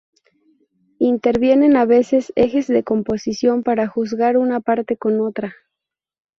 Intervienen a veces ejes de composición para juzgar una parte con otra.